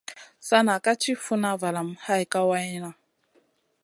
Sana ka ti funa valamu hay kawayna.